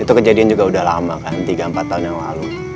itu kejadian juga udah lama kan tiga empat tahun yang lalu